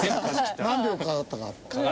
何秒かかったか。